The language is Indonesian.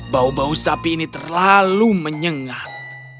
bau bau sapi ini terlalu menyengat